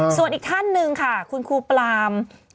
ส่วนอีกท่านหนึ่งค่ะคุณครูปราม